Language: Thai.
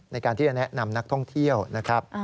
ในการที่จะแนะนำนักท่องเที่ยวนะครับ